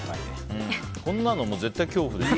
こんなの絶対、恐怖でしょ。